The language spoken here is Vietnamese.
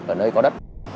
ở nơi có đất